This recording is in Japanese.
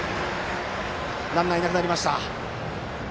ランナーいなくなりました。